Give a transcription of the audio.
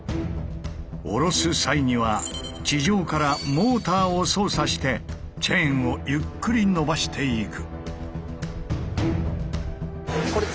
おろす際には地上からモーターを操作してチェーンをゆっくり伸ばしていく。